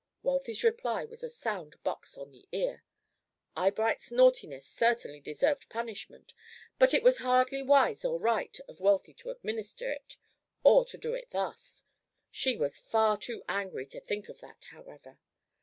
Wealthy's reply was a sound box on the ear. Eyebright's naughtiness certainly deserved punishment, but it was hardly wise or right of Wealthy to administer it, or to do it thus. She was far too angry to think of that, however.